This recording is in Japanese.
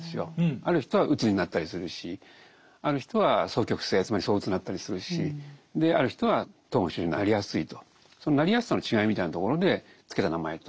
ある人はうつになったりするしある人は双極性つまりそううつになったりするしである人は統合失調症になりやすいとそのなりやすさの違いみたいなところで付けた名前と。